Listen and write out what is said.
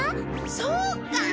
そうか！